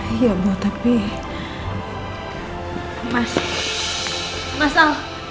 tidak tahu medicare punya harus keeps a tax selling